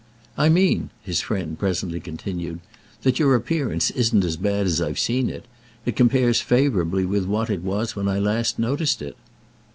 "I mean," his friend presently continued, "that your appearance isn't as bad as I've seen it: it compares favourably with what it was when I last noticed it."